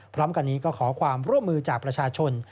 พร้อมกันนี้ก็ขอความร่วมมือจากประชาชน